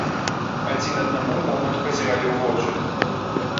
Адзін аднаму момант пазіралі ў вочы.